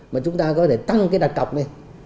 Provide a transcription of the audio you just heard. mà chúng ta có thể tăng cái đặt cọc lên